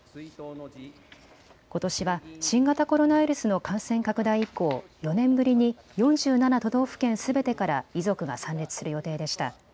ことしは新型コロナウイルスの感染拡大以降、４年ぶりに４７都道府県すべてから遺族が参列する予定でした。